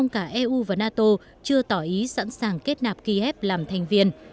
cả eu và nato chưa tỏ ý sẵn sàng kết nạp kiev làm thành viên